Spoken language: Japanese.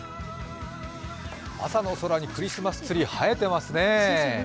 朝の空にクリスマスツリー映えていますね。